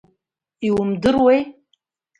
Иумдыруеи?!